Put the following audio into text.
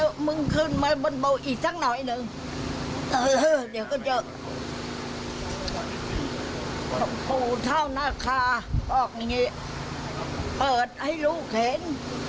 หัวเผาหน้าคาบอกแบบงี้เปิดให้ลูกเห็น